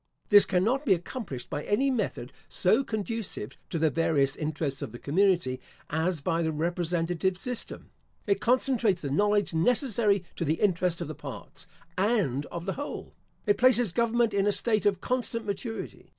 This cannot be accomplished by any method so conducive to the various interests of the community, as by the representative system. It concentrates the knowledge necessary to the interest of the parts, and of the whole. It places government in a state of constant maturity.